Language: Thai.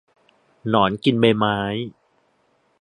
หนอนกินใบไม้